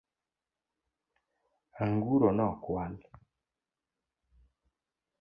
Anguro nokwal .